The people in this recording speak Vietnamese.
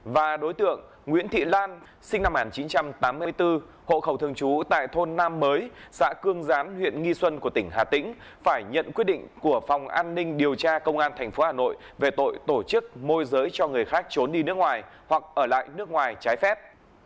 và đối tượng nguyễn thị lan sinh năm một nghìn chín trăm tám mươi bốn hộ khẩu thường trú tại thôn nam mới xã cương gián huyện nghi xuân của tỉnh hà tĩnh phải nhận quyết định của phòng an ninh điều tra công an tp hà nội về tội tổ chức môi giới cho người khác trốn đi nước ngoài hoặc ở lại nước ngoài trái phép